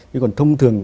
nhưng còn thông thường